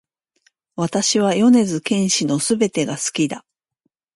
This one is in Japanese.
私は米津玄師の全てが好きだ